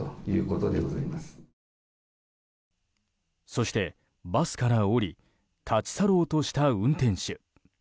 そして、バスから降り立ち去ろうとした運転手。